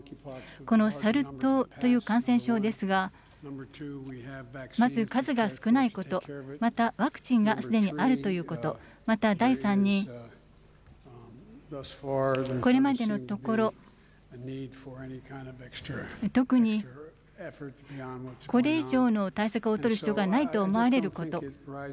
このサル痘という感染症ですが、まず数が少ないこと、またワクチンがすでにあるということ、また第３に、これまでのところ、特にこれ以上の対策を取る必要がないと思われること。